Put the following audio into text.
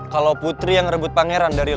kalau putri yang ngerebut pangeran dari lo